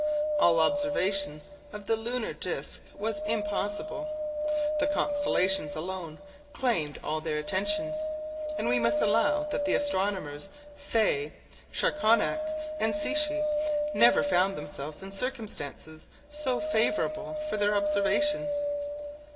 All observation of the lunar disc was impossible. The constellations alone claimed all their attention; and we must allow that the astronomers Faye, Charconac, and Secchi, never found themselves in circumstances so favorable for their observation.